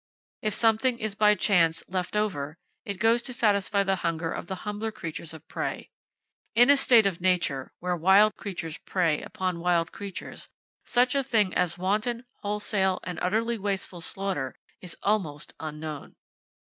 If something is by chance left over, it goes to satisfy the hunger of the humbler creatures of prey. In a state of nature, where wild creatures prey upon wild creatures, such a thing as wanton, wholesale and utterly wasteful slaughter is almost unknown!